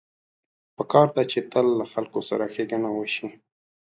پکار ده چې تل له خلکو سره ښېګڼه وشي